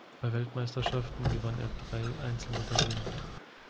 Bei Weltmeisterschaften gewann er drei Einzelmedaillen.